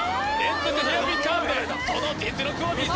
ヘアピンカーブでその実力を見せつけた！